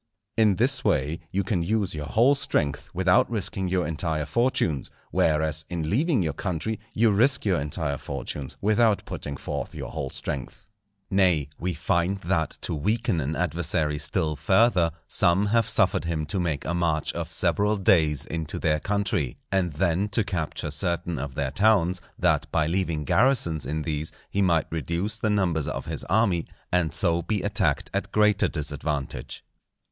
In this way you can use your whole strength without risking your entire fortunes; whereas, in leaving your country, you risk your entire fortunes, without putting forth your whole strength. Nay, we find that to weaken an adversary still further, some have suffered him to make a march of several days into their country, and then to capture certain of their towns, that by leaving garrisons in these, he might reduce the numbers of his army, and so be attacked at greater disadvantage.